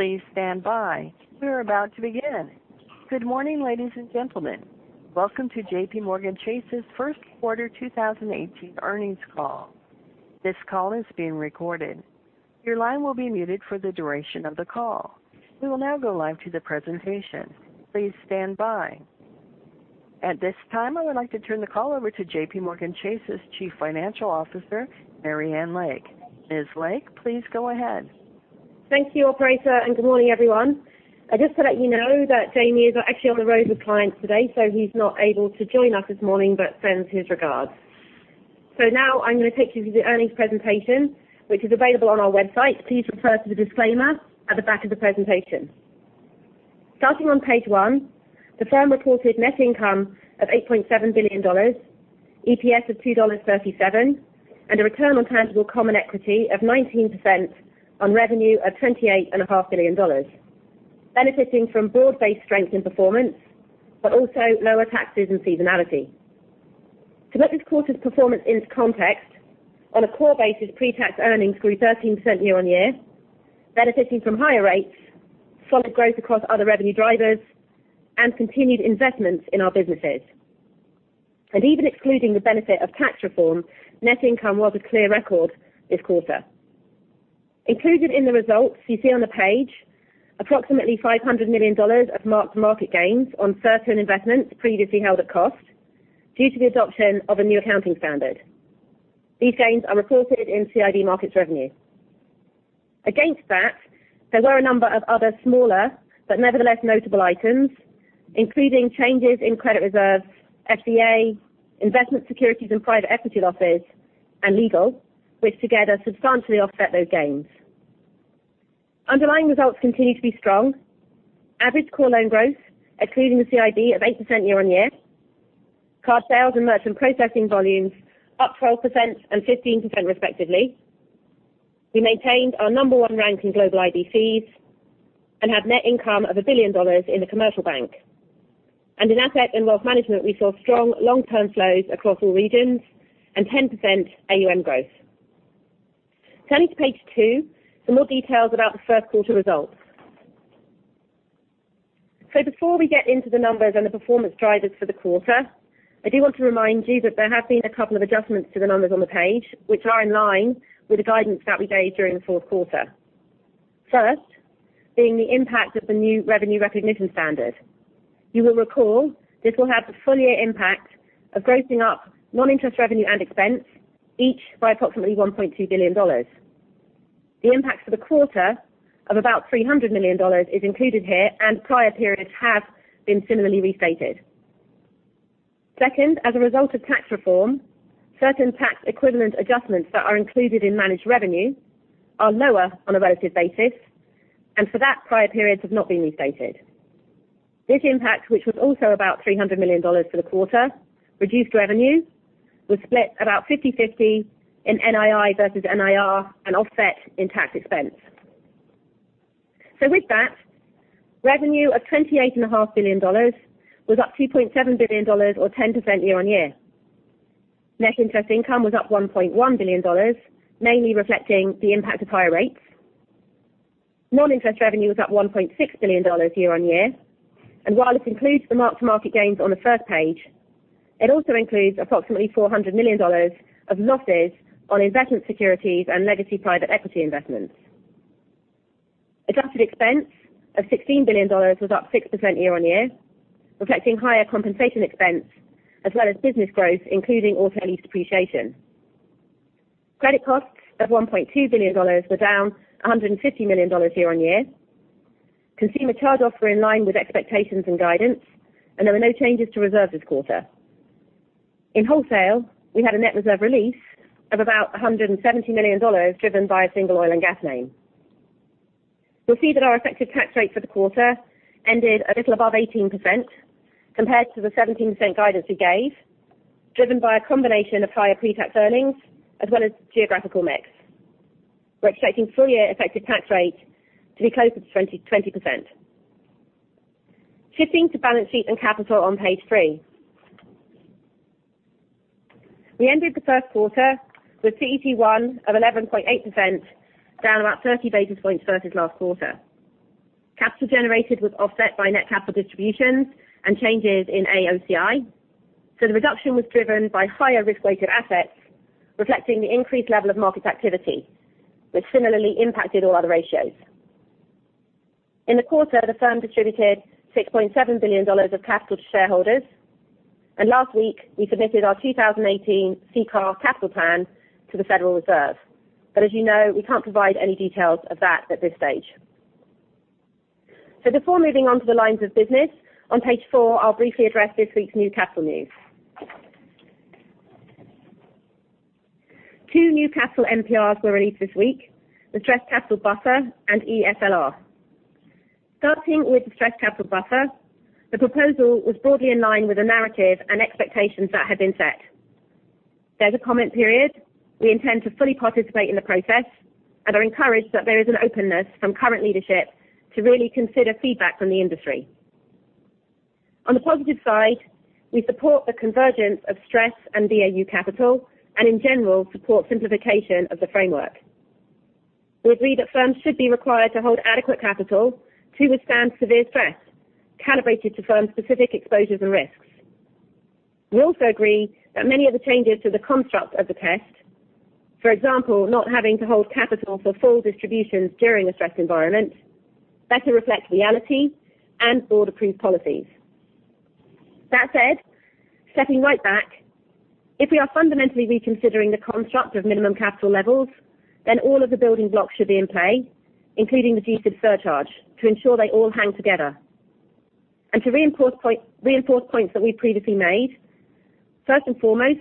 Please stand by. We are about to begin. Good morning, ladies and gentlemen. Welcome to JPMorganChase's first quarter 2018 earnings call. This call is being recorded. Your line will be muted for the duration of the call. We will now go live to the presentation. Please stand by. At this time, I would like to turn the call over to JPMorganChase's Chief Financial Officer, Marianne Lake. Ms. Lake, please go ahead. Thank you, operator, and good morning, everyone. Just to let you know that Jamie is actually on the road with clients today, so he's not able to join us this morning, but sends his regards. Now I'm going to take you through the earnings presentation, which is available on our website. Please refer to the disclaimer at the back of the presentation. Starting on page one, the firm reported net income of $8.7 billion, EPS of $2.37, and a return on tangible common equity of 19% on revenue of $28.5 billion, benefiting from broad-based strength in performance, but also lower taxes and seasonality. To put this quarter's performance into context, on a core basis, pre-tax earnings grew 13% year-over-year, benefiting from higher rates, solid growth across other revenue drivers, and continued investments in our businesses. Even excluding the benefit of tax reform, net income was a clear record this quarter. Included in the results you see on the page, approximately $500 million of mark-to-market gains on certain investments previously held at cost due to the adoption of a new accounting standard. These gains are reported in CIB Markets' revenue. Against that, there were a number of other smaller, but nevertheless notable items, including changes in credit reserves, DVA, investment securities and private equity losses, and legal, which together substantially offset those gains. Underlying results continue to be strong. Average core loan growth, excluding the CIB of 8% year-over-year. Card sales and merchant processing volumes up 12% and 15% respectively. We maintained our number one rank in global IB fees and had net income of $1 billion in the commercial bank. In asset and wealth management, we saw strong long-term flows across all regions and 10% AUM growth. Turning to page two for more details about the first quarter results. Before we get into the numbers and the performance drivers for the quarter, I do want to remind you that there have been a couple of adjustments to the numbers on the page, which are in line with the guidance that we gave during the fourth quarter. First, being the impact of the new revenue recognition standard. You will recall this will have the full year impact of grossing up non-interest revenue and expense, each by approximately $1.2 billion. The impact for the quarter of about $300 million is included here, and prior periods have been similarly restated. Second, as a result of tax reform, certain tax equivalent adjustments that are included in managed revenue are lower on a relative basis, and for that, prior periods have not been restated. This impact, which was also about $300 million for the quarter, reduced revenue, was split about 50/50 in NII versus NIR and offset in tax expense. With that, revenue of $28.5 billion was up $2.7 billion or 10% year-on-year. Net interest income was up $1.1 billion, mainly reflecting the impact of higher rates. Non-interest revenue was up $1.6 billion year-on-year, and while this includes the mark-to-market gains on the first page, it also includes approximately $400 million of losses on investment securities and legacy private equity investments. Adjusted expense of $16 billion was up 6% year-on-year, reflecting higher compensation expense as well as business growth, including auto lease depreciation. Credit costs of $1.2 billion were down $150 million year-on-year. Consumer charge-offs were in line with expectations and guidance, and there were no changes to reserves this quarter. In wholesale, we had a net reserve release of about $170 million, driven by a single oil and gas name. You'll see that our effective tax rate for the quarter ended a little above 18% compared to the 17% guidance we gave, driven by a combination of higher pre-tax earnings as well as geographical mix. We're expecting full year effective tax rate to be closer to 20%. Shifting to balance sheet and capital on page three. We ended the first quarter with CET1 of 11.8%, down about 30 basis points versus last quarter. Capital generated was offset by net capital distributions and changes in AOCI. The reduction was driven by higher risk-weighted assets, reflecting the increased level of market activity, which similarly impacted all other ratios. In the quarter, the firm distributed $6.7 billion of capital to shareholders, and last week, we submitted our 2018 CCAR capital plan to the Federal Reserve. As you know, we can't provide any details of that at this stage. Before moving on to the lines of business, on page four, I'll briefly address this week's new capital news. Two new capital NPRs were released this week, the stress capital buffer and eSLR. Starting with the stress capital buffer, the proposal was broadly in line with the narrative and expectations that had been set. There's a comment period. We intend to fully participate in the process and are encouraged that there is an openness from current leadership to really consider feedback from the industry. On the positive side, we support the convergence of stress and BAU capital, and in general, support simplification of the framework. We agree that firms should be required to hold adequate capital to withstand severe stress, calibrated to firm specific exposures and risks. We also agree that many of the changes to the construct of the test, for example, not having to hold capital for full distributions during a stressed environment, better reflect reality and board approved policies. That said, stepping right back, if we are fundamentally reconsidering the construct of minimum capital levels, then all of the building blocks should be in play, including the GSIB surcharge, to ensure they all hang together. To reinforce points that we've previously made, first and foremost,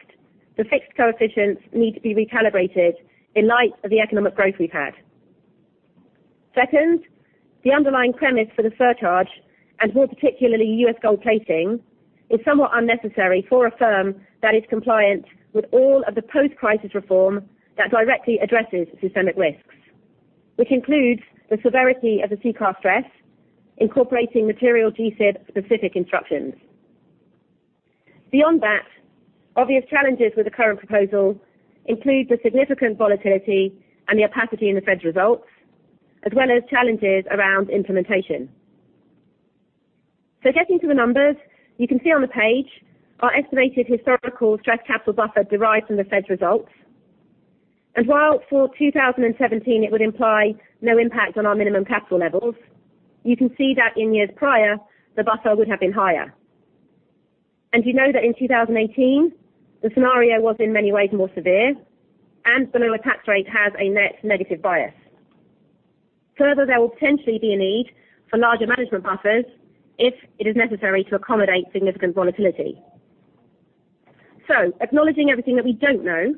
the fixed coefficients need to be recalibrated in light of the economic growth we've had. Second, the underlying premise for the surcharge, and more particularly, U.S. G-SIB, is somewhat unnecessary for a firm that is compliant with all of the post-crisis reform that directly addresses systemic risks. Which includes the severity of the CCAR stress, incorporating material G-SIB specific instructions. Beyond that, obvious challenges with the current proposal include the significant volatility and the opacity in the Fed's results, as well as challenges around implementation. Getting to the numbers, you can see on the page our estimated historical stress capital buffer derived from the Fed's results. While for 2017 it would imply no impact on our minimum capital levels, you can see that in years prior, the buffer would have been higher. You know that in 2018, the scenario was in many ways more severe, and the lower tax rate has a net negative bias. Further, there will potentially be a need for larger management buffers if it is necessary to accommodate significant volatility. Acknowledging everything that we don't know,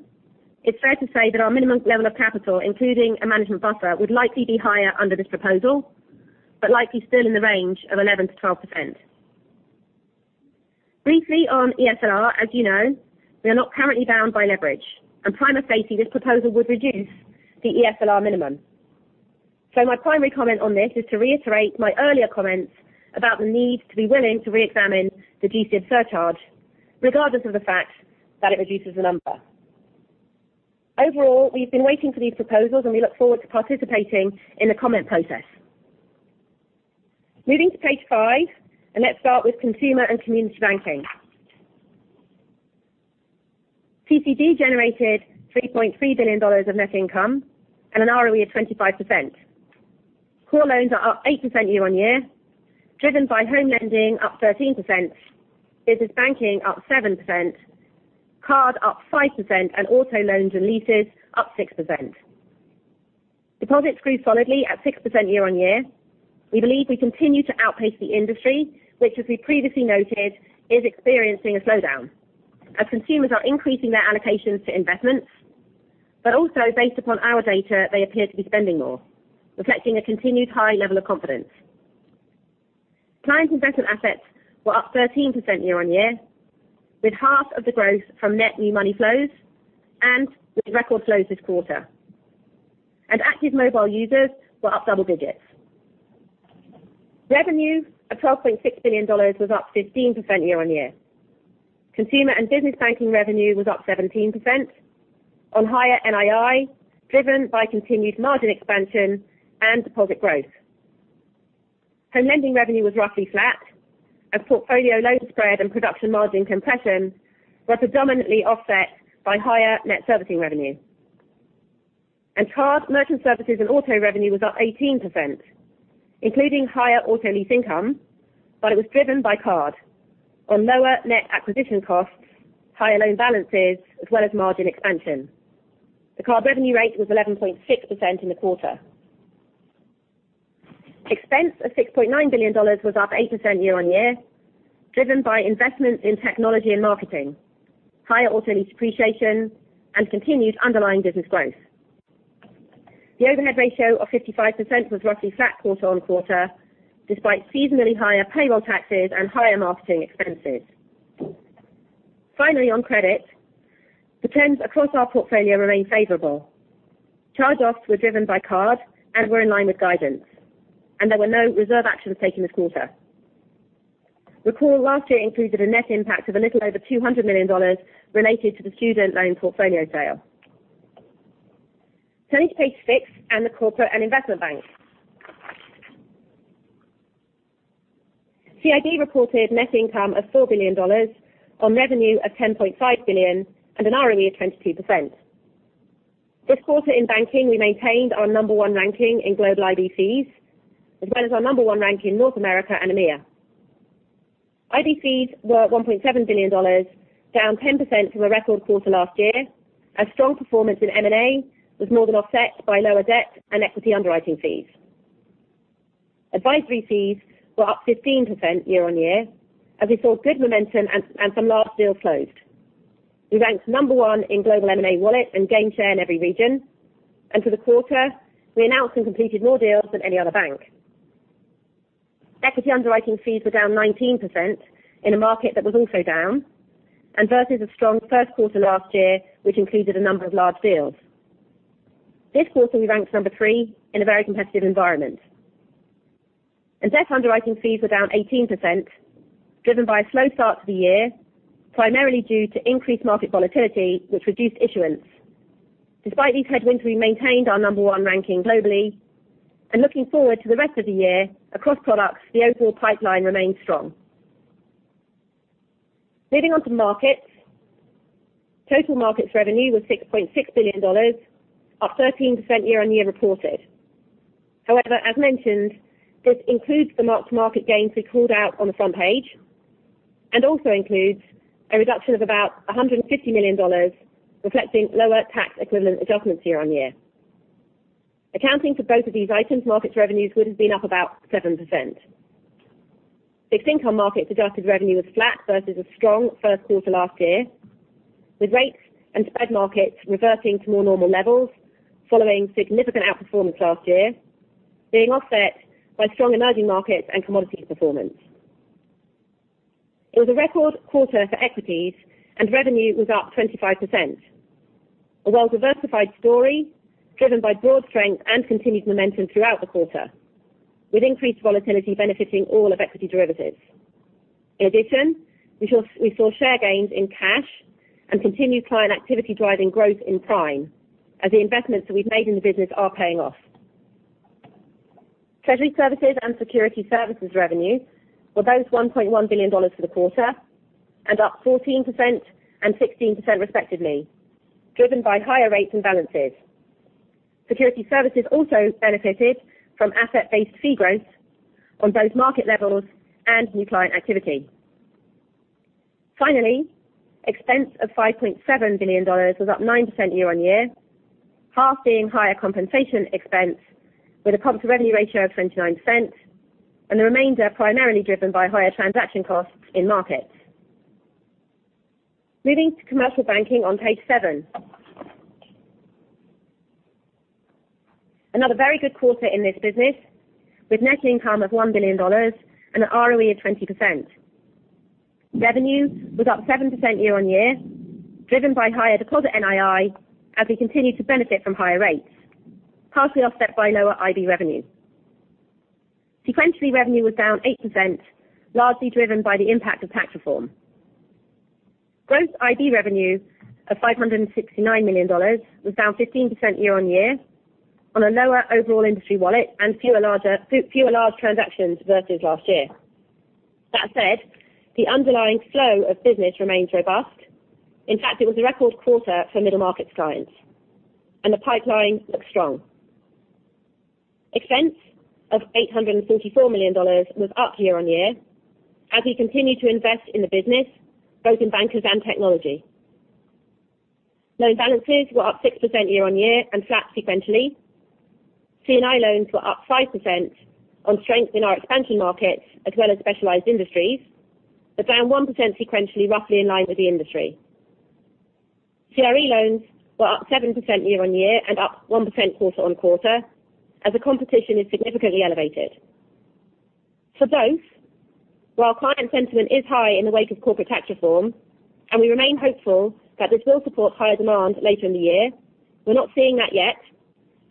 it's fair to say that our minimum level of capital, including a management buffer, would likely be higher under this proposal, but likely still in the range of 11%-12%. Briefly on eSLR, as you know, we are not currently bound by leverage, and prima facie, this proposal would reduce the eSLR minimum. My primary comment on this is to reiterate my earlier comments about the need to be willing to reexamine the G-SIB surcharge, regardless of the fact that it reduces the number. Overall, we've been waiting for these proposals, and we look forward to participating in the comment process. Moving to page five, let's start with Consumer & Community Banking. CCB generated $3.3 billion of net income and an ROE of 25%. Core loans are up 8% year-on-year, driven by home lending up 13%, business banking up 7%, card up 5%, and auto loans and leases up 6%. Deposits grew solidly at 6% year-on-year. We believe we continue to outpace the industry, which, as we previously noted, is experiencing a slowdown, as consumers are increasing their allocations to investments. Also based upon our data, they appear to be spending more, reflecting a continued high level of confidence. Client investment assets were up 13% year-on-year, with half of the growth from net new money flows and with record flows this quarter. Active mobile users were up double digits. Revenue of $12.6 billion was up 15% year-on-year. Consumer and business banking revenue was up 17%, on higher NII, driven by continued margin expansion and deposit growth. Home lending revenue was roughly flat, and portfolio loan spread and production margin compression were predominantly offset by higher net servicing revenue. Card, merchant services, and auto revenue was up 18%, including higher auto lease income, but it was driven by card on lower net acquisition costs, higher loan balances, as well as margin expansion. The card revenue rate was 11.6% in the quarter. Expense of $6.9 billion was up 8% year-on-year, driven by investment in technology and marketing, higher auto lease depreciation, and continued underlying business growth. The overhead ratio of 55% was roughly flat quarter-on-quarter, despite seasonally higher payroll taxes and higher marketing expenses. Finally, on credit, the trends across our portfolio remain favorable. Charge-offs were driven by card and were in line with guidance. There were no reserve actions taken this quarter. Recall last year included a net impact of a little over $200 million related to the student loan portfolio sale. Turning to page six and the Corporate & Investment Bank. CIB reported net income of $4 billion on revenue of $10.5 billion and an ROE of 22%. This quarter in banking, we maintained our number one ranking in global IB fees, as well as our number one rank in North America and EMEA. IB fees were $1.7 billion, down 10% from a record quarter last year, as strong performance in M&A was more than offset by lower debt and equity underwriting fees. Advisory fees were up 15% year-on-year, as we saw good momentum and some large deals closed. We ranked number one in global M&A wallet and gained share in every region. For the quarter, we announced and completed more deals than any other bank. Equity underwriting fees were down 19% in a market that was also down, and versus a strong first quarter last year, which included a number of large deals. This quarter, we ranked number three in a very competitive environment. Debt underwriting fees were down 18%, driven by a slow start to the year, primarily due to increased market volatility, which reduced issuance. Despite these headwinds, we maintained our number one ranking globally. Looking forward to the rest of the year, across products, the overall pipeline remains strong. Moving on to markets. Total markets revenue was $6.6 billion, up 13% year-on-year reported. However, as mentioned, this includes the mark-to-market gains we called out on the front page, and also includes a reduction of about $150 million, reflecting lower tax equivalent adjustments year-on-year. Accounting for both of these items, markets revenues would have been up about 7%. Fixed income markets adjusted revenue was flat versus a strong first quarter last year, with rates and spread markets reversing to more normal levels following significant outperformance last year, being offset by strong emerging markets and commodity performance. It was a record quarter for equities and revenue was up 25%. A well-diversified story driven by broad strength and continued momentum throughout the quarter, with increased volatility benefiting all of equity derivatives. In addition, we saw share gains in cash and continued client activity driving growth in Prime, as the investments that we've made in the business are paying off. Treasury Services and Securities Services revenue were both $1.1 billion for the quarter, up 14% and 16% respectively, driven by higher rates and balances. Security services also benefited from asset-based fee growth on both market levels and new client activity. Finally, expense of $5.7 billion was up 9% year-on-year, half being higher compensation expense with a comp-to-revenue ratio of 29%. The remainder primarily driven by higher transaction costs in markets. Moving to Commercial Banking on page seven. Another very good quarter in this business, with net income of $1 billion and an ROE of 20%. Revenue was up 7% year-on-year, driven by higher deposit NII as we continue to benefit from higher rates, partially offset by lower IB revenue. Sequentially, revenue was down 8%, largely driven by the impact of tax reform. Gross IB revenue of $569 million was down 15% year-on-year on a lower overall industry wallet and fewer large transactions versus last year. That said, the underlying flow of business remains robust. In fact, it was a record quarter for middle markets clients, and the pipeline looks strong. Expense of $844 million was up year-on-year as we continue to invest in the business, both in bankers and technology. Loan balances were up 6% year-on-year and flat sequentially. C&I loans were up 5% on strength in our expansion markets as well as specialized industries, but down 1% sequentially roughly in line with the industry. CRE loans were up 7% year-on-year and up 1% quarter-on-quarter as the competition is significantly elevated. For both, while client sentiment is high in the wake of corporate tax reform, and we remain hopeful that this will support higher demand later in the year, we're not seeing that yet,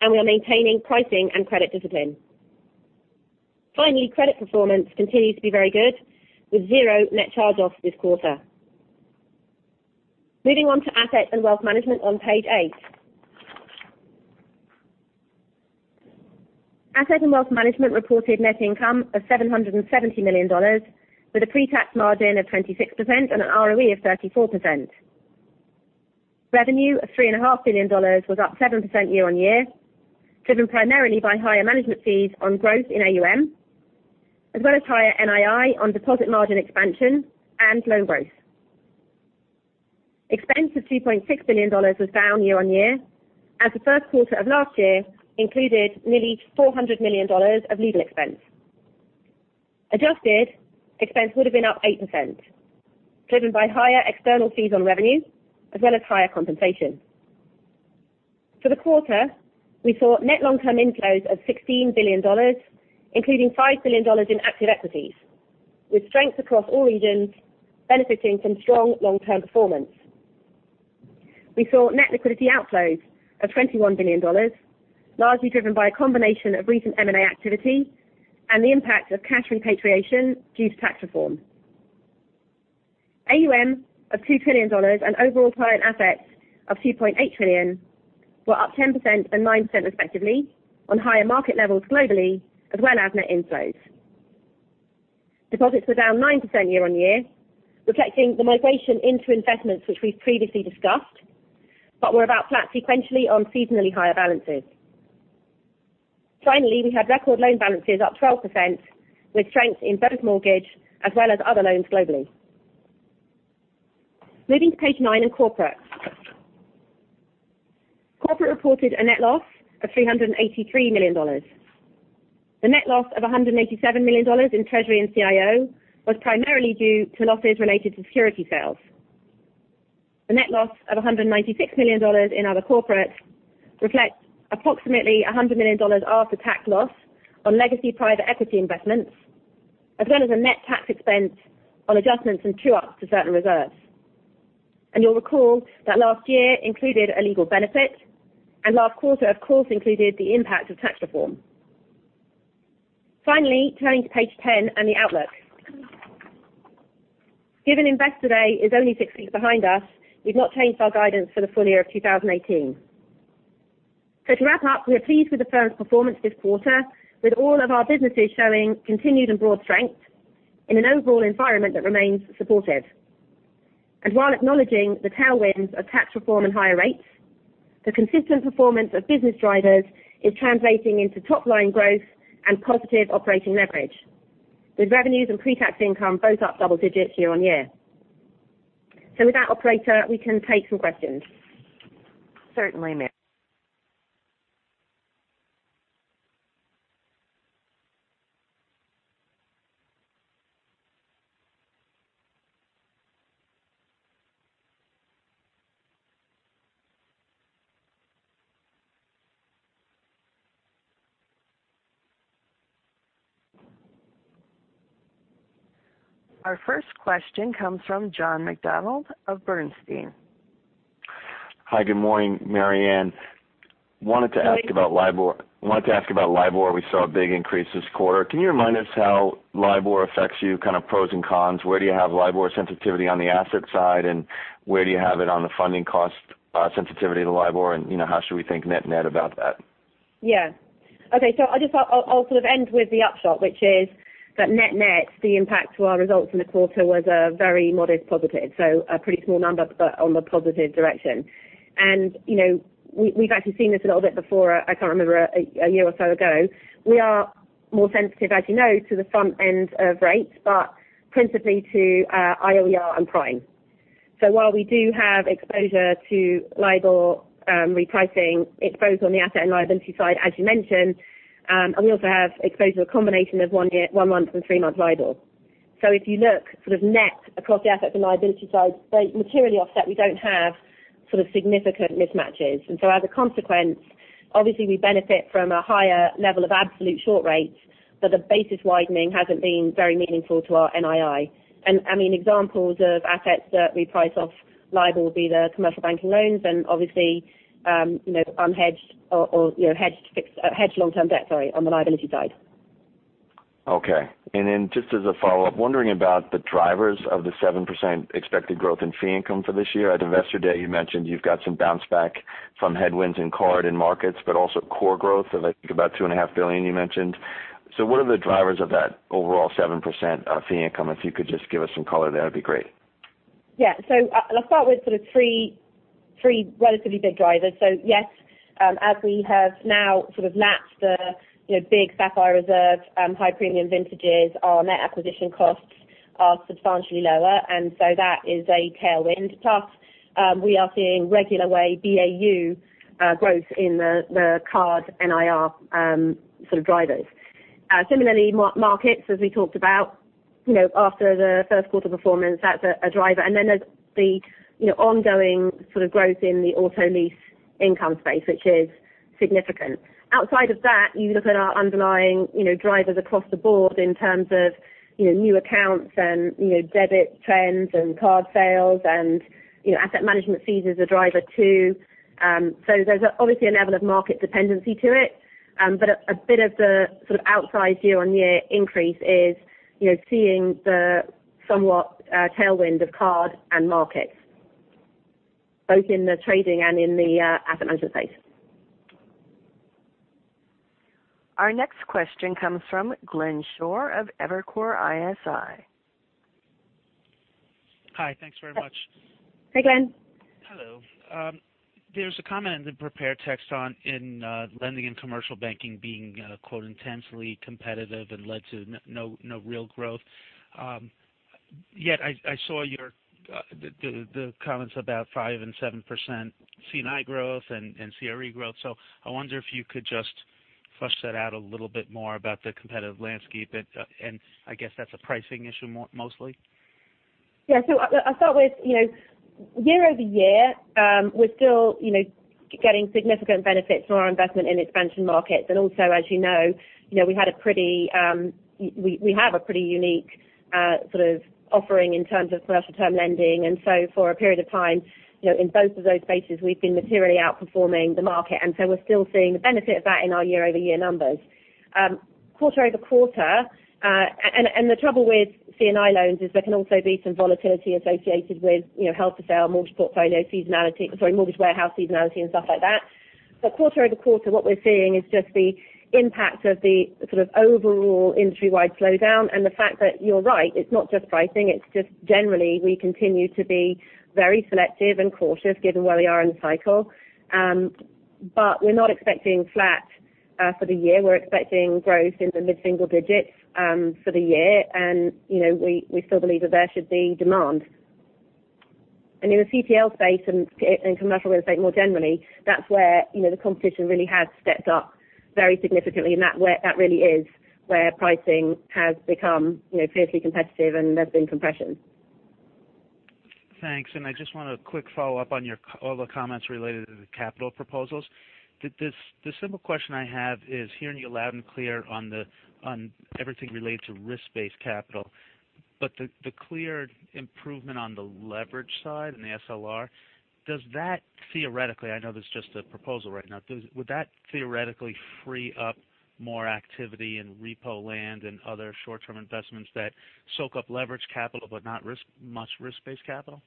and we are maintaining pricing and credit discipline. Finally, credit performance continues to be very good, with zero net charge-offs this quarter. Moving on to Asset and Wealth Management on page eight. Asset and Wealth Management reported net income of $770 million, with a pre-tax margin of 26% and an ROE of 34%. Revenue of $3.5 billion was up 7% year-on-year, driven primarily by higher management fees on growth in AUM, as well as higher NII on deposit margin expansion and loan growth. Expense of $2.6 billion was down year-on-year, as the first quarter of last year included nearly $400 million of legal expense. Adjusted expense would have been up 8%, driven by higher external fees on revenue as well as higher compensation. For the quarter, we saw net long-term inflows of $16 billion, including $5 billion in active equities, with strength across all regions benefiting from strong long-term performance. We saw net liquidity outflows of $21 billion, largely driven by a combination of recent M&A activity and the impact of cash repatriation due to tax reform. AUM of $2 trillion and overall client assets of $2.8 trillion were up 10% and 9% respectively on higher market levels globally, as well as net inflows. Deposits were down 9% year-on-year, reflecting the migration into investments which we've previously discussed, but were about flat sequentially on seasonally higher balances. Finally, we had record loan balances up 12%, with strength in both mortgage as well as other loans globally. Moving to page nine and Corporate. Corporate reported a net loss of $383 million. The net loss of $187 million in Treasury and CIO was primarily due to losses related to security sales. The net loss of $196 million in Other Corporate reflects approximately $100 million after-tax loss on legacy private equity investments, as well as a net tax expense on adjustments and true-ups to certain reserves. You'll recall that last year included a legal benefit, and last quarter, of course, included the impact of tax reform. Finally, turning to page 10 and the outlook. Given Investor Day is only six weeks behind us, we've not changed our guidance for the full year of 2018. To wrap up, we are pleased with the firm's performance this quarter, with all of our businesses showing continued and broad strength in an overall environment that remains supportive. While acknowledging the tailwinds of tax reform and higher rates, the consistent performance of business drivers is translating into top line growth and positive operating leverage, with revenues and pre-tax income both up double digits year-on-year. With that operator, we can take some questions. Certainly, ma'am. Our first question comes from John McDonald of Bernstein. Hi, good morning, Marianne. Wanted to ask about LIBOR. We saw a big increase this quarter. Can you remind us how LIBOR affects you, kind of pros and cons? Where do you have LIBOR sensitivity on the asset side, and where do you have it on the funding cost sensitivity to LIBOR, and how should we think net about that? I'll end with the upshot, which is that net, the impact to our results in the quarter was a very modest positive. A pretty small number, but on the positive direction. We've actually seen this a little bit before, I can't remember, a year or so ago. We are more sensitive, as you know, to the front end of rates, but principally to IOER and Prime. While we do have exposure to LIBOR repricing, it's both on the asset and liability side, as you mentioned. We also have exposure to a combination of one month and three-month LIBOR. If you look net across the asset and liability side, they materially offset. We don't have significant mismatches. As a consequence, obviously we benefit from a higher level of absolute short rates, the basis widening hasn't been very meaningful to our NII. Examples of assets that reprice off LIBOR would be the commercial banking loans and obviously, unhedged or hedged long-term debt on the liability side. Okay. Just as a follow-up, wondering about the drivers of the 7% expected growth in fee income for this year. At Investor Day, you mentioned you've got some bounce back from headwinds in card and markets, but also core growth of I think about two and a half billion you mentioned. What are the drivers of that overall 7% fee income? If you could just give us some color there, that'd be great. Yeah. I'll start with three relatively big drivers. Yes, as we have now lapped the big Sapphire Reserve high premium vintages, our net acquisition costs are substantially lower, and so that is a tailwind. Plus, we are seeing regular way BAU growth in the card NIR sort of drivers. Similarly, markets, as we talked about, after the first quarter performance, that's a driver. There's the ongoing growth in the auto lease income space, which is significant. Outside of that, you look at our underlying drivers across the board in terms of new accounts and debit trends and card sales and asset management fees is a driver too. There's obviously a level of market dependency to it. A bit of the sort of outsized year-on-year increase is seeing the somewhat tailwind of card and markets, both in the trading and in the asset management space. Our next question comes from Glenn Schorr of Evercore ISI. Hi, thanks very much. Hi, Glenn. Hello. There's a comment in the prepared text in lending and commercial banking being "intensely competitive" and led to no real growth. Yet I saw the comments about 5% and 7% C&I growth and CRE growth. I wonder if you could just flesh that out a little bit more about the competitive landscape, and I guess that's a pricing issue mostly. Yeah. I'll start with year-over-year, we're still getting significant benefits from our investment in expansion markets. Also, as you know, we have a pretty unique offering in terms of commercial term lending. For a period of time, in both of those spaces, we've been materially outperforming the market. We're still seeing the benefit of that in our year-over-year numbers. Quarter-over-quarter. The trouble with C&I loans is there can also be some volatility associated with held for sale, mortgage portfolio seasonality, sorry, mortgage warehouse seasonality and stuff like that. Quarter-over-quarter, what we're seeing is just the impact of the overall industry-wide slowdown and the fact that you're right. It's not just pricing, it's just generally, we continue to be very selective and cautious given where we are in the cycle. We're not expecting flat for the year. We're expecting growth in the mid-single digits for the year. We still believe that there should be demand. In the CTL space and commercial real estate more generally, that's where the competition really has stepped up very significantly, and that really is where pricing has become fiercely competitive and there's been compression. Thanks. I just want a quick follow-up on all the comments related to the capital proposals. The simple question I have is hearing you loud and clear on everything related to risk-based capital. The clear improvement on the leverage side and the SLR, theoretically, I know that's just a proposal right now, would that theoretically free up more activity in repo land and other short-term investments that soak up leverage capital, but not much risk-based capital?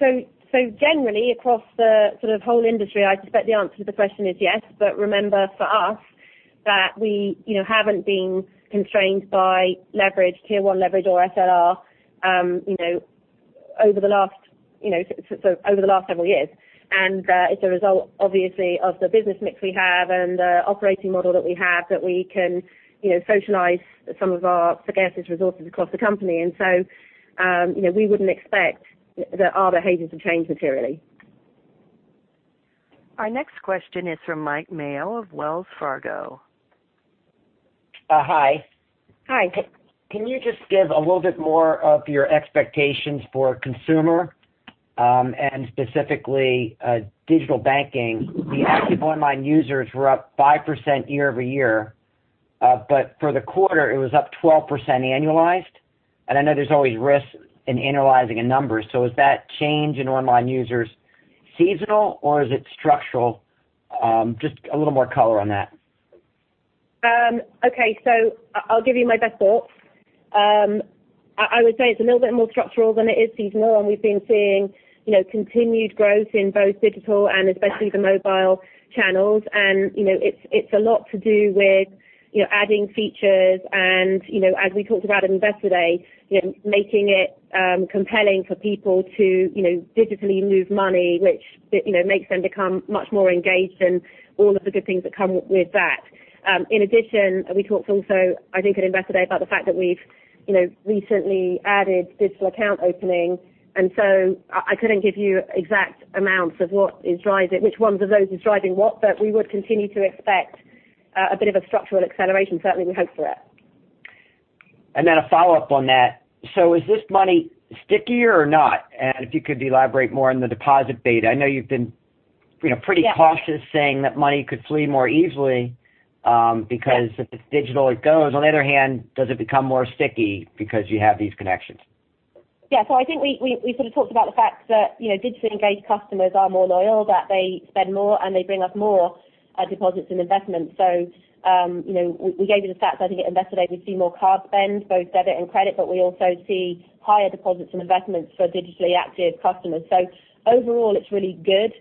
Generally, across the whole industry, I expect the answer to the question is yes. Remember for us that we haven't been constrained by leverage, Tier 1 leverage or SLR over the last several years. It's a result, obviously, of the business mix we have and the operating model that we have that we can socialize some of our scarcest resources across the company. We wouldn't expect that our behaviors have changed materially. Our next question is from Mike Mayo of Wells Fargo. Hi. Hi. Can you just give a little bit more of your expectations for consumer, and specifically, digital banking? The active online users were up 5% year-over-year. For the quarter, it was up 12% annualized. I know there's always risks in analyzing a number. Is that change in online users seasonal or is it structural? Just a little more color on that. Okay. I'll give you my best thoughts. I would say it's a little bit more structural than it is seasonal, and we've been seeing continued growth in both digital and especially the mobile channels. It's a lot to do with adding features and, as we talked about at Investor Day, making it compelling for people to digitally move money, which makes them become much more engaged and all of the good things that come with that. In addition, we talked also, I think, at Investor Day about the fact that we've recently added digital account opening. I couldn't give you exact amounts of which ones of those is driving what, but we would continue to expect a bit of a structural acceleration. Certainly, we hope for it. A follow-up on that. Is this money stickier or not? If you could elaborate more on the deposit beta. I know you've been pretty cautious saying that money could flee more easily because if it's digital, it goes. On the other hand, does it become more sticky because you have these connections? Yeah. I think we sort of talked about the fact that digitally engaged customers are more loyal, that they spend more, and they bring us more deposits and investments. We gave you the stats, I think, at Investor Day. We see more card spend, both debit and credit, but we also see higher deposits and investments for digitally active customers. Overall, it's really good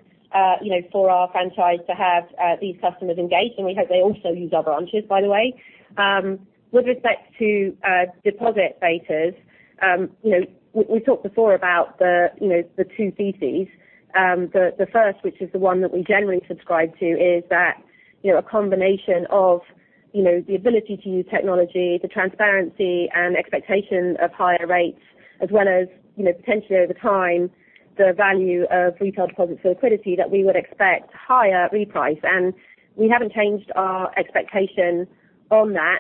for our franchise to have these customers engaged, and we hope they also use our branches, by the way. With respect to deposit betas, we talked before about the two theses. The first, which is the one that we generally subscribe to, is that a combination of the ability to use technology, the transparency and expectation of higher rates as well as potentially over time, the value of retail deposits for liquidity, that we would expect higher reprice. We haven't changed our expectation on that.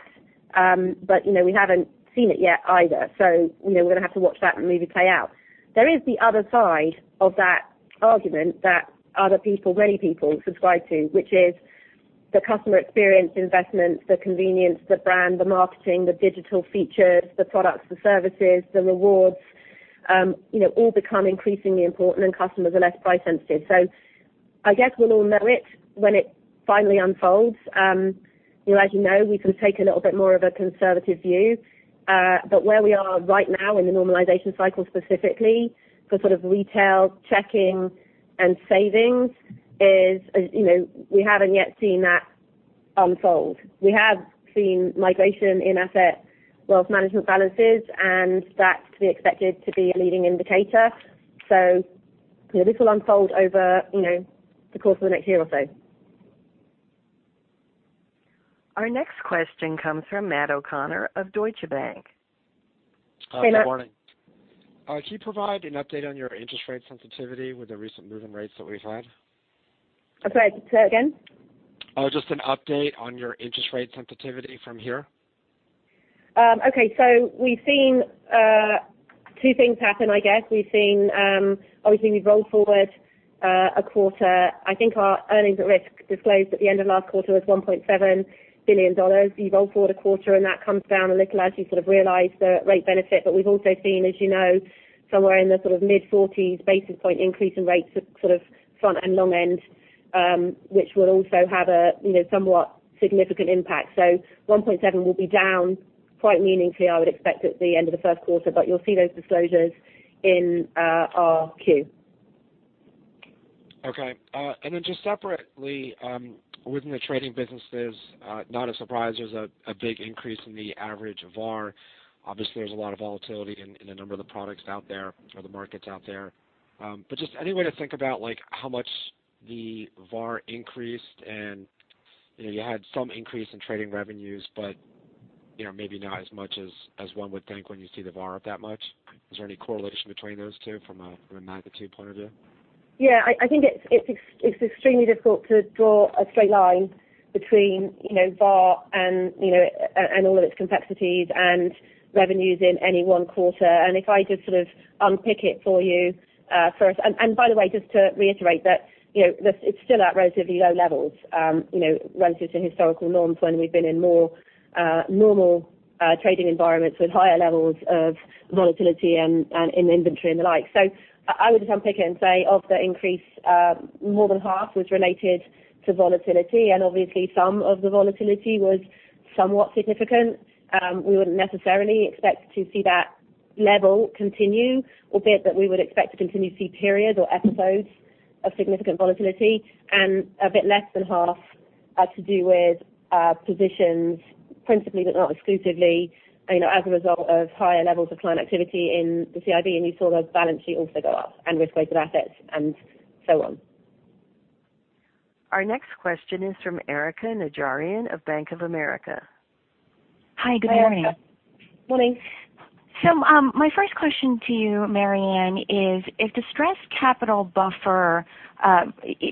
We haven't seen it yet either. We're going to have to watch that movie play out. There is the other side of that argument that other people, many people subscribe to, which is the customer experience investments, the convenience, the brand, the marketing, the digital features, the products, the services, the rewards, all become increasingly important and customers are less price sensitive. I guess we'll all know it when it finally unfolds. As you know, we can take a little bit more of a conservative view. Where we are right now in the normalization cycle, specifically for retail checking and savings is we haven't yet seen that unfold. We have seen migration in asset wealth management balances, and that's to be expected to be a leading indicator. This will unfold over the course of the next year or so. Our next question comes from Matt O'Connor of Deutsche Bank. Hey, Matt. Good morning. Can you provide an update on your interest rate sensitivity with the recent move in rates that we've had? I'm sorry. Say again? Just an update on your interest rate sensitivity from here. Okay. We've seen two things happen, I guess. We've seen, obviously, we've rolled forward a quarter. I think our earnings at risk disclosed at the end of last quarter was $1.7 billion. You roll forward a quarter, that comes down a little as you realize the rate benefit. We've also seen, as you know, somewhere in the mid-40s basis point increase in rates at front and long end, which will also have a somewhat significant impact. $1.7 will be down quite meaningfully, I would expect, at the end of the first quarter, but you'll see those disclosures in our Q. Okay. Just separately, within the trading businesses, not a surprise, there's a big increase in the average VAR. Obviously, there's a lot of volatility in a number of the products out there or the markets out there. Just any way to think about how much the VAR increased and you had some increase in trading revenues, but maybe not as much as one would think when you see the VAR up that much. Is there any correlation between those two from a magnitude point of view? I think it's extremely difficult to draw a straight line between VAR and all of its complexities and revenues in any one quarter. If I just sort of unpick it for you, and by the way, just to reiterate that it's still at relatively low levels, relative to historical norms when we've been in more normal trading environments with higher levels of volatility and in inventory and the like. I would just unpick it and say of the increase, more than half was related to volatility, and obviously some of the volatility was somewhat significant. We wouldn't necessarily expect to see that level continue, albeit that we would expect to continue to see periods or episodes of significant volatility, and a bit less than half had to do with positions, principally, but not exclusively, as a result of higher levels of client activity in the CIB, and you saw those balance sheets also go up and risk-weighted assets and so on. Our next question is from Erika Najarian of Bank of America. Hi, good morning. Hi, Erika. Morning. My first question to you, Marianne, is if the stress capital buffer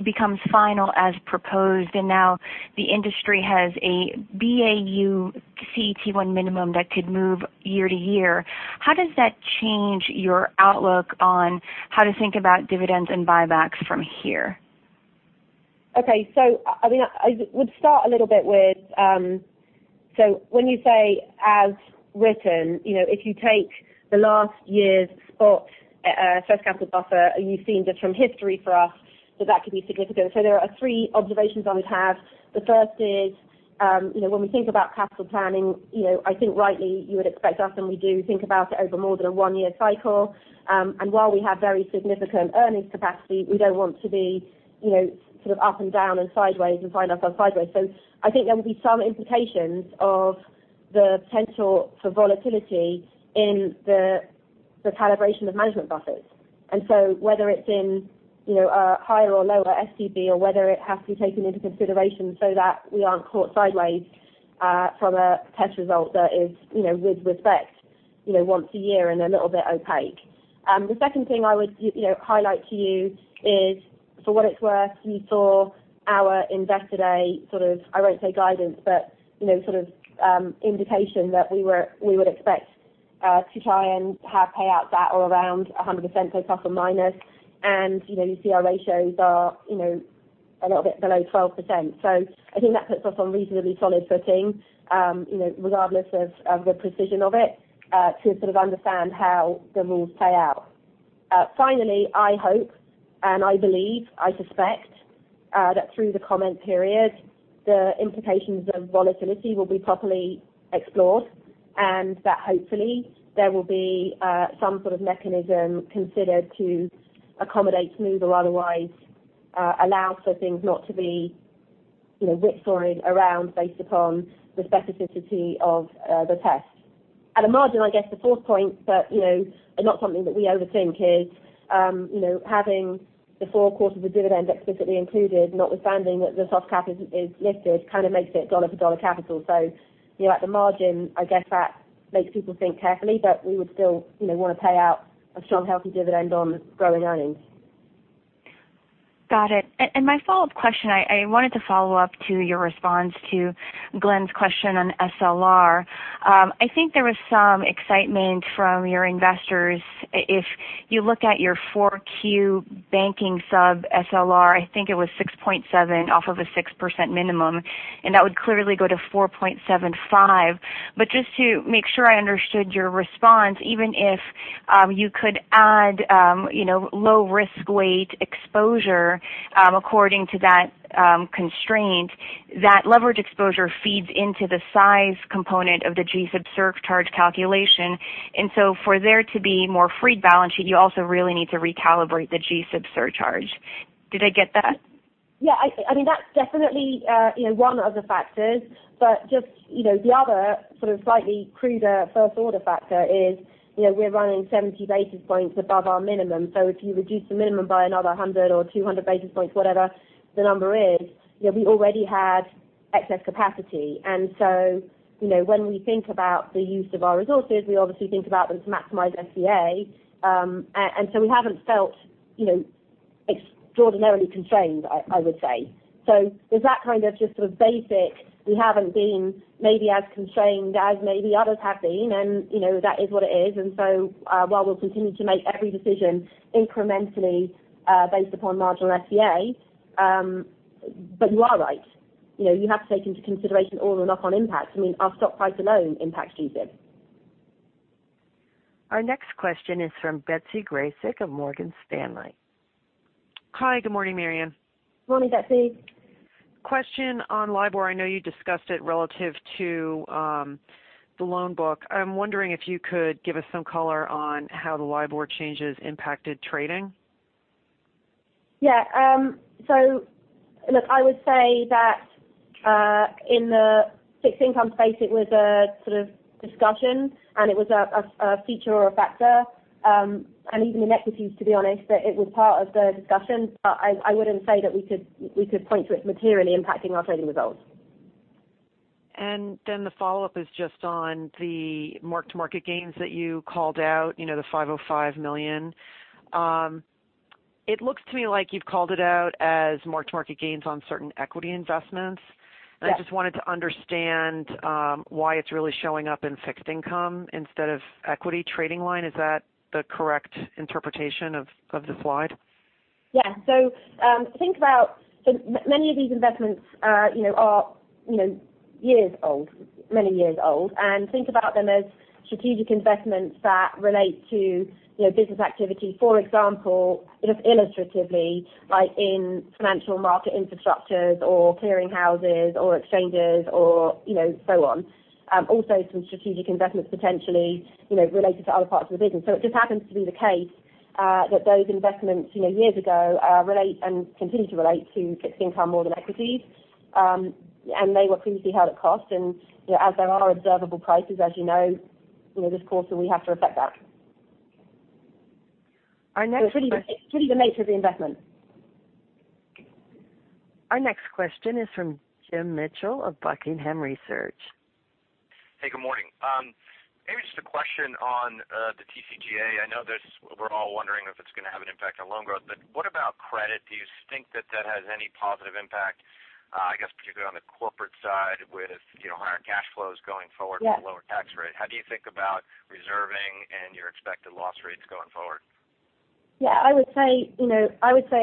becomes final as proposed, the industry has a BAU CET1 minimum that could move year-to-year, how does that change your outlook on how to think about dividends and buybacks from here? I would start a little bit with, when you say as written, if you take the last year's spot stress capital buffer, you've seen just from history for us, that that could be significant. There are three observations I would have. The first is, when we think about capital planning, I think rightly you would expect us, and we do think about it over more than a one-year cycle. While we have very significant earnings capacity, we don't want to be sort of up and down and sideways and sign off on sideways. I think there will be some implications of the potential for volatility in the calibration of management buffers. Whether it's in a higher or lower SCB or whether it has to be taken into consideration so that we aren't caught sideways from a test result that is with respect once a year and a little bit opaque. The second thing I would highlight to you is, for what it's worth, you saw our Investor Day, I won't say guidance, but sort of indication that we would expect to try and have payouts at or around 100%, so plus or minus. You see our ratios are a little bit below 12%. I think that puts us on reasonably solid footing, regardless of the precision of it, to sort of understand how the rules play out. Finally, I hope, and I believe, I suspect, that through the comment period, the implications of volatility will be properly explored, and that hopefully there will be some sort of mechanism considered to accommodate smooth or otherwise allow for things not to be whipsawed around based upon the specificity of the test. At a margin, I guess the fourth point, but not something that we overthink is, having the four quarters of dividend explicitly included, notwithstanding that the soft cap is lifted, kind of makes it dollar-for-dollar capital. At the margin, I guess that makes people think carefully, but we would still want to pay out a strong, healthy dividend on growing earnings. Got it. My follow-up question, I wanted to follow up to your response to Glenn's question on SLR. I think there was some excitement from your investors. If you look at your 4Q banking sub SLR, I think it was 6.7 off of a 6% minimum, and that would clearly go to 4.75. Just to make sure I understood your response, even if you could add low risk weight exposure, according to that constraint, that leverage exposure feeds into the size component of the G-SIB surcharge calculation. For there to be more freed balance sheet, you also really need to recalibrate the G-SIB surcharge. Did I get that? Yeah. That's definitely one of the factors. Just the other sort of slightly cruder first order factor is, we're running 70 basis points above our minimum. If you reduce the minimum by another 100 or 200 basis points, whatever the number is, we already have excess capacity. When we think about the use of our resources, we obviously think about them to maximize ROTCE. We haven't felt extraordinarily constrained, I would say. There's that kind of just sort of basic, we haven't been maybe as constrained as maybe others have been, and that is what it is. While we'll continue to make every decision incrementally based upon marginal ROTCE, but you are right. You have to take into consideration all runoff on impacts. I mean, our stock price alone impacts G-SIB. Our next question is from Betsy Graseck of Morgan Stanley. Hi, good morning, Marianne. Morning, Betsy. Question on LIBOR. I know you discussed it relative to the loan book. I am wondering if you could give us some color on how the LIBOR changes impacted trading. Yeah. Look, I would say that in the fixed income space, it was a sort of discussion, and it was a feature or a factor, and even in equities, to be honest, that it was part of the discussion, but I wouldn't say that we could point to it materially impacting our trading results. The follow-up is just on the mark-to-market gains that you called out, the $505 million. It looks to me like you've called it out as mark-to-market gains on certain equity investments. Yes. I just wanted to understand why it's really showing up in fixed income instead of equity trading line. Is that the correct interpretation of the slide? Yeah. Think about many of these investments are years old, many years old, and think about them as strategic investments that relate to business activity. For example, just illustratively, like in financial market infrastructures or clearing houses or exchanges or so on. Also some strategic investments potentially, related to other parts of the business. It just happens to be the case, that those investments years ago, relate and continue to relate to fixed income more than equities, and they were previously held at cost. As there are observable prices, as you know, this quarter, we have to reflect that. Our next question. It's really the nature of the investment. Our next question is from Jim Mitchell of Buckingham Research. Hey, good morning. Maybe just a question on the TCJA. I know we're all wondering if it's going to have an impact on loan growth. What about credit? Do you think that that has any positive impact, I guess particularly on the corporate side with higher cash flows going forward? Yeah with the lower tax rate? How do you think about reserving and your expected loss rates going forward? Yeah, I would say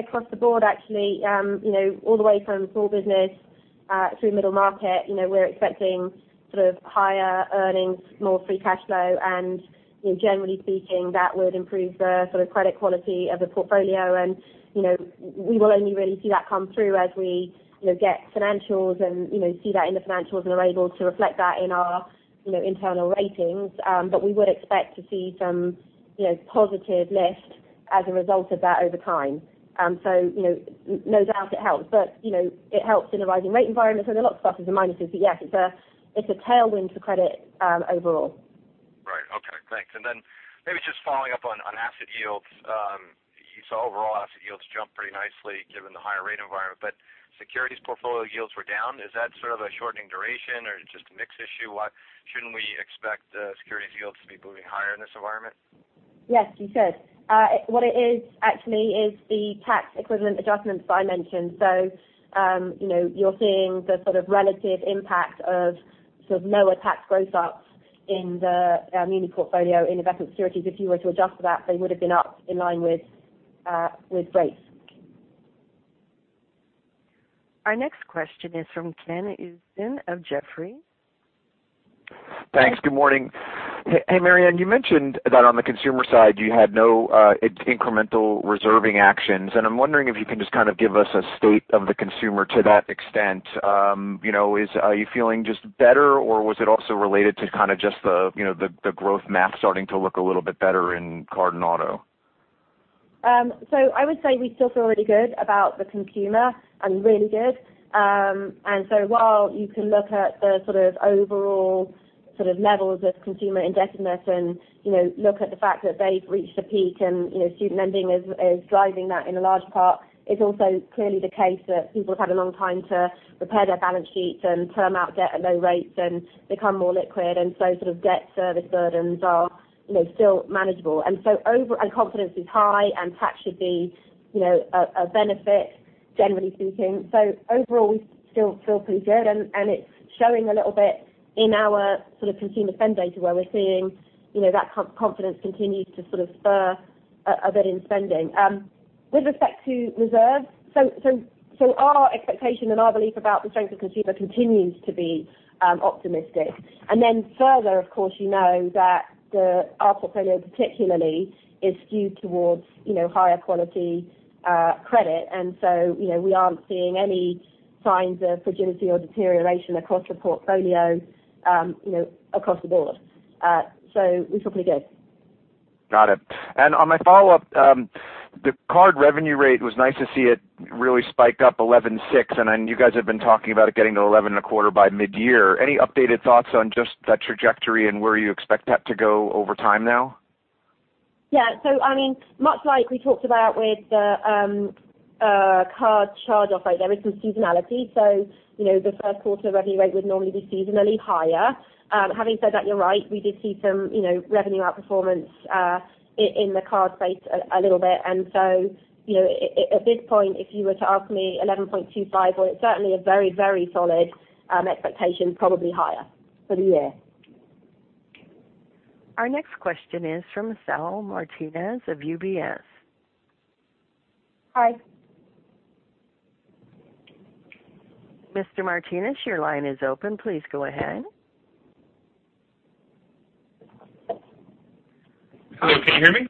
across the board actually, all the way from small business, through middle market, we're expecting higher earnings, more free cash flow, and generally speaking, that would improve the credit quality of the portfolio. We will only really see that come through as we get financials and see that in the financials and are able to reflect that in our internal ratings. We would expect to see some positive lift as a result of that over time. No doubt it helps. It helps in a rising rate environment. There are lots of stuff as a minus. Yes, it's a tailwind for credit overall. Right. Okay, thanks. Then maybe just following up on asset yields. You saw overall asset yields jump pretty nicely given the higher rate environment, but securities portfolio yields were down. Is that a shortening duration, or is it just a mix issue? Shouldn't we expect securities yields to be moving higher in this environment? Yes, you should. What it is actually is the tax equivalent adjustments that I mentioned. You're seeing the relative impact of lower tax gross-ups in the muni portfolio in investment securities. If you were to adjust for that, they would have been up in line with rates. Our next question is from Ken Usdin of Jefferies. Thanks. Good morning. Hey, Marianne, you mentioned that on the consumer side, you had no incremental reserving actions. I'm wondering if you can just give us a state of the consumer to that extent. Are you feeling just better, or was it also related to just the growth math starting to look a little bit better in card and auto? I would say we still feel really good about the consumer. I mean, really good. While you can look at the overall levels of consumer indebtedness and look at the fact that they've reached a peak and student lending is driving that in a large part, it's also clearly the case that people have had a long time to repair their balance sheets and term out debt at low rates and become more liquid. Debt service burdens are still manageable. Confidence is high and tax should be a benefit, generally speaking. Overall, we still feel pretty good and it's showing a little bit in our consumer spend data where we're seeing that confidence continue to spur a bit in spending. With respect to reserves, our expectation and our belief about the strength of consumer continues to be optimistic. Further, of course, you know that our portfolio particularly is skewed towards higher quality credit. We aren't seeing any signs of fragility or deterioration across the portfolio across the board. We feel pretty good. On my follow-up, the card revenue rate was nice to see it really spike up 11.6%, then you guys have been talking about it getting to 11.25% by mid-year. Any updated thoughts on just that trajectory and where you expect that to go over time now? I mean, much like we talked about with the card charge-off rate, there is some seasonality. The first quarter revenue rate would normally be seasonally higher. Having said that, you're right, we did see some revenue outperformance in the card space a little bit. At this point, if you were to ask me 11.25%, well, it's certainly a very solid expectation, probably higher for the year. Our next question is from Saul Martinez of UBS. Hi. Mr. Martinez, your line is open. Please go ahead. Hello, can you hear me?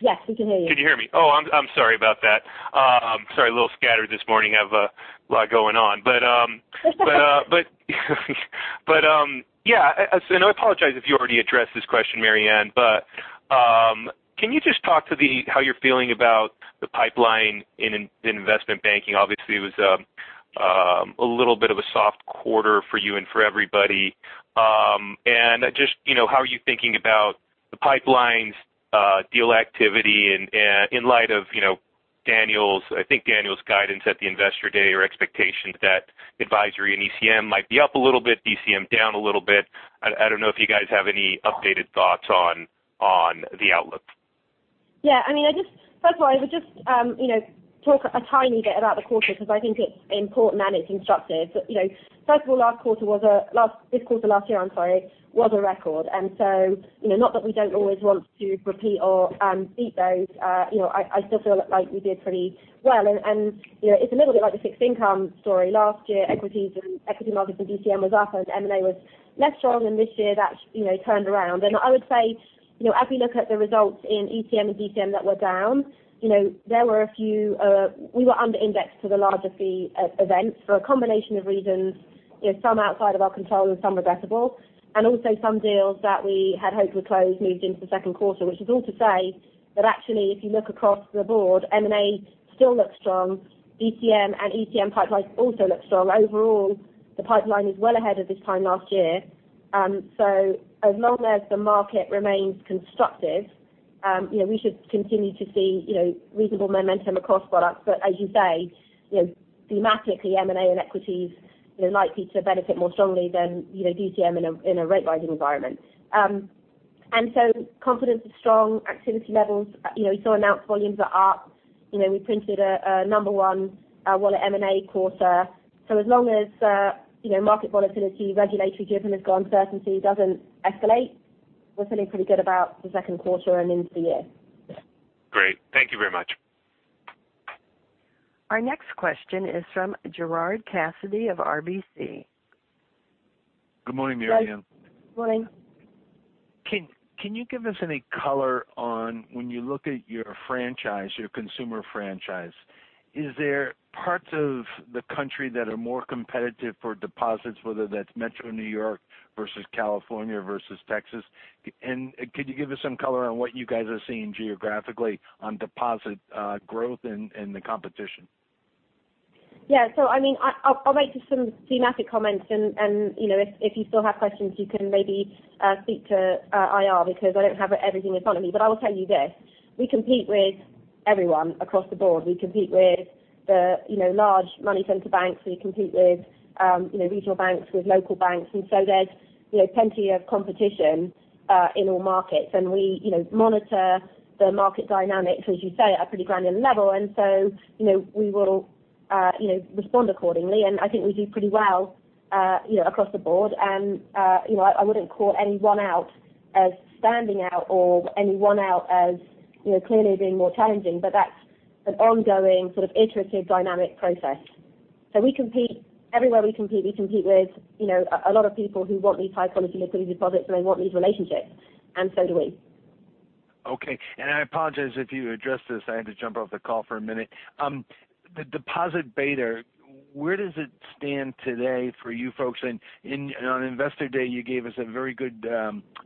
Yes, we can hear you. Can you hear me? Oh, I'm sorry about that. Sorry, a little scattered this morning. I have a lot going on. Yeah, I apologize if you already addressed this question, Marianne, but can you just talk to how you're feeling about the pipeline in investment banking? Obviously, it was a little bit of a soft quarter for you and for everybody. Just how are you thinking about the pipelines deal activity in light of I think Daniel's guidance at the Investor Day or expectation that advisory and ECM might be up a little bit, DCM down a little bit. I don't know if you guys have any updated thoughts on the outlook. First of all, I would just talk a tiny bit about the quarter, because I think it's important and it's instructive. First of all, this quarter last year was a record. Not that we don't always want to repeat or beat those. I still feel like we did pretty well. It's a little bit like the fixed income story. Last year, equities and equity markets and DCM was up, M&A was less strong, and this year that turned around. I would say, as we look at the results in ECM and DCM that were down, we were under-indexed to the larger fee events for a combination of reasons, some outside of our control and some regrettable, and also some deals that we had hoped would close moved into the second quarter. All to say that actually, if you look across the board, M&A still looks strong. ECM and ECM pipelines also look strong. Overall, the pipeline is well ahead of this time last year. As long as the market remains constructive, we should continue to see reasonable momentum across products. As you say, thematically, M&A and equities are likely to benefit more strongly than DCM in a rate rising environment. Confidence is strong. Activity levels. You saw announced volumes are up. We printed a number one wallet M&A quarter. As long as market volatility, regulatory driven as well as uncertainty doesn't escalate, we're feeling pretty good about the second quarter and into the year. Great. Thank you very much. Our next question is from Gerard Cassidy of RBC. Good morning, Marianne. Morning. Can you give us any color on when you look at your consumer franchise, is there parts of the country that are more competitive for deposits, whether that's metro New York versus California versus Texas? Could you give us some color on what you guys are seeing geographically on deposit growth and the competition? Yeah. I'll make just some thematic comments, and if you still have questions, you can maybe speak to IR, because I don't have everything in front of me. I will tell you this, we compete with everyone across the board. We compete with the large money center banks. We compete with regional banks, with local banks. There's plenty of competition in all markets. We monitor the market dynamics, as you say, at a pretty granular level. We will respond accordingly. I think we do pretty well across the board. I wouldn't call anyone out as standing out or anyone out as clearly being more challenging, but that's an ongoing sort of iterative dynamic process. Everywhere we compete, we compete with a lot of people who want these high-quality liquidity deposits, and they want these relationships, and so do we. Okay. I apologize if you addressed this. I had to jump off the call for a minute. The deposit beta, where does it stand today for you folks? On Investor Day, you gave us a very good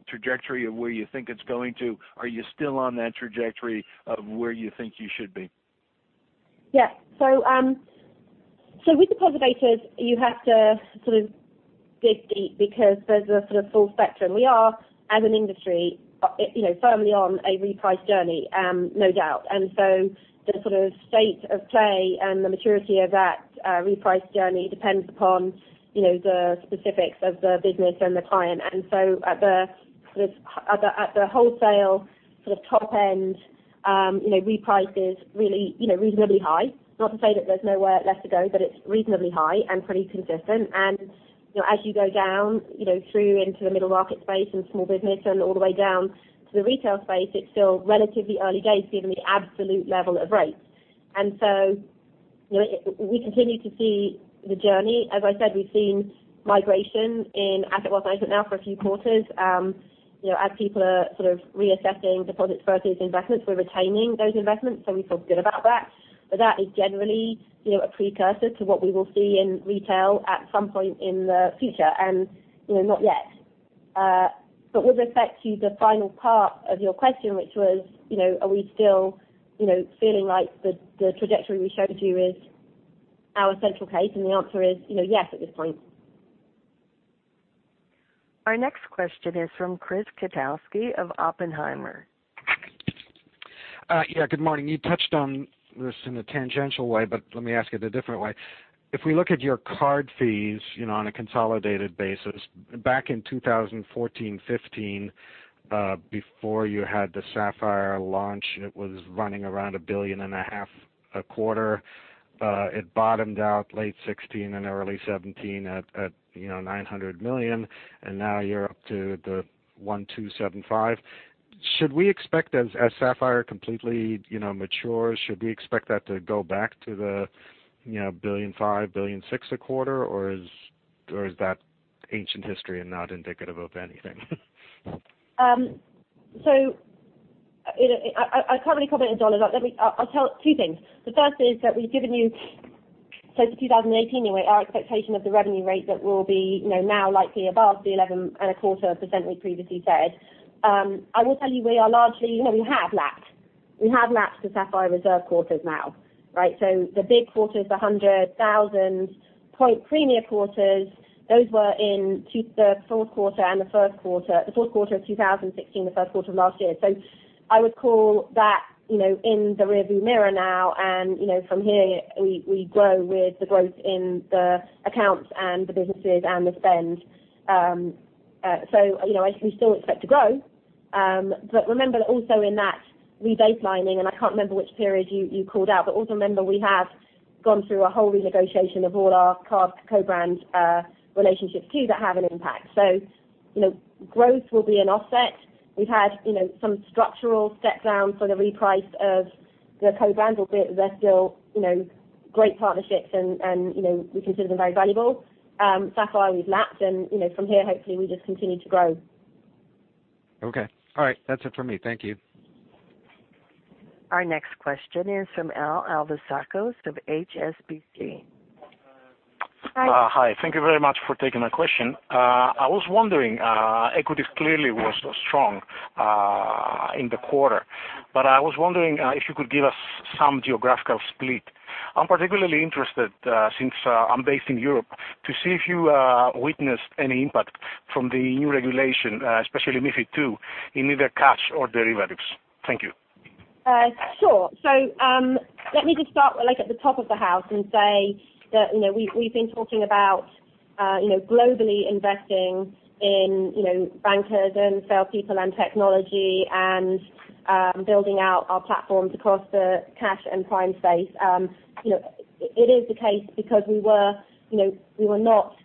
trajectory of where you think it's going to. Are you still on that trajectory of where you think you should be? Yeah. With deposit betas, you have to sort of dig deep because there's a sort of full spectrum. We are, as an industry, firmly on a reprice journey, no doubt. The sort of state of play and the maturity of that reprice journey depends upon the specifics of the business and the client. At the wholesale sort of top end, reprice is really reasonably high. Not to say that there's nowhere left to go, but it's reasonably high and pretty consistent. As you go down through into the middle market space and small business and all the way down to the retail space, it's still relatively early days given the absolute level of rates. We continue to see the journey. As I said, we've seen migration in Asset & Wealth Management now for a few quarters. As people are sort of reassessing deposits versus investments, we're retaining those investments. We feel good about that. That is generally a precursor to what we will see in retail at some point in the future, and not yet. With respect to the final part of your question, which was, are we still feeling like the trajectory we showed you is our central case? The answer is yes at this point. Our next question is from Chris Kotowski of Oppenheimer. Yeah, good morning. You touched on this in a tangential way, let me ask it a different way. If we look at your card fees on a consolidated basis, back in 2014, 2015, before you had the Sapphire launch, it was running around a billion and a half a quarter. It bottomed out late 2016 and early 2017 at $900 million. Now you're up to the $1,275 million. As Sapphire completely matures, should we expect that to go back to the $1.5 billion, $1.6 billion a quarter, or is that ancient history and not indicative of anything? I can't really comment in dollars. I'll tell two things. The first is that we've given you, since 2018 anyway, our expectation of the revenue rate that will be now likely above the 11.25% we previously said. I will tell you we have lapped the Sapphire Reserve quarters now, right? The big quarters, the 100,000-point Premier quarters, those were in the fourth quarter and the first quarter, the fourth quarter of 2016, the first quarter of last year. I would call that in the rear-view mirror now, and from here, we grow with the growth in the accounts and the businesses and the spend. We still expect to grow. Remember also in that rebaselining, and I can't remember which period you called out, but also remember, we have gone through a whole renegotiation of all our card co-brand relationships too that have an impact. Growth will be an offset. We've had some structural step downs for the reprice of the co-brand, but they're still great partnerships, and we consider them very valuable. Sapphire, we've lapped, and from here, hopefully, we just continue to grow. Okay. All right. That's it for me. Thank you. Our next question is from Alevizos Alevizakos of HSBC. Hi. Hi. Thank you very much for taking my question. Equities clearly was strong in the quarter. I was wondering if you could give us some geographical split. I'm particularly interested, since I'm based in Europe, to see if you witnessed any impact from the new regulation, especially MiFID II, in either cash or derivatives. Thank you. Let me just start with at the top of the house and say that we've been talking about globally investing in bankers and salespeople and technology and building out our platforms across the cash and Prime space. It is the case because we were not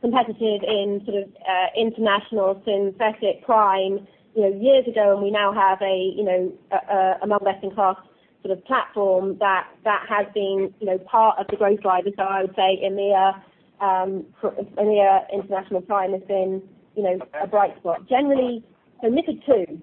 competitive in international synthetic Prime years ago, and we now have a among best-in-class platform that has been part of the growth driver. I would say EMEA International Prime has been a bright spot. Generally, MiFID II.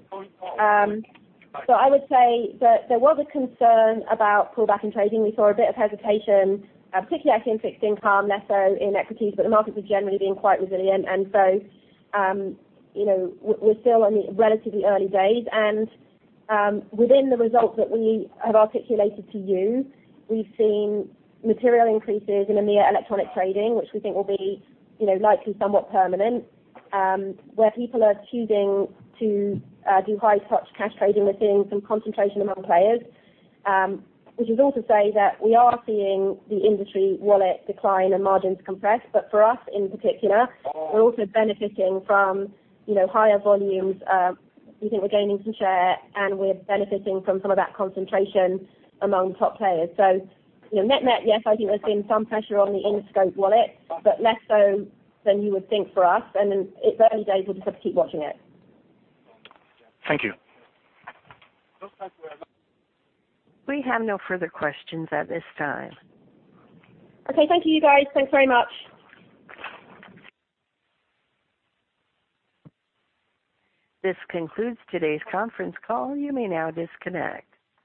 I would say that there was a concern about pullback in trading. We saw a bit of hesitation, particularly I think fixed income, less so in equities, but the markets have generally been quite resilient. We're still in the relatively early days. Within the results that we have articulated to you, we've seen material increases in EMEA electronic trading, which we think will be likely somewhat permanent, where people are choosing to do high-touch cash trading. We're seeing some concentration among players, which is all to say that we are seeing the industry wallet decline and margins compress. For us, in particular, we're also benefiting from higher volumes. We think we're gaining some share, and we're benefiting from some of that concentration among top players. Net-net, yes, I think we're seeing some pressure on the in-scope wallet, but less so than you would think for us. It's early days. We'll just have to keep watching it. Thank you. We have no further questions at this time. Okay. Thank you, guys. Thanks very much. This concludes today's conference call. You may now disconnect.